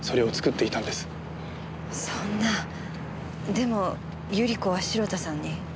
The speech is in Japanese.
でも百合子は城田さんに。